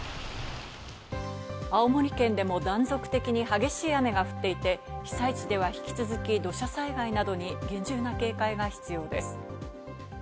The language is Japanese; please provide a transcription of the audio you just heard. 青森県でも断続的に激しい雨が降っていて被災地では引き続き土砂災害などに厳重な警戒が必要です。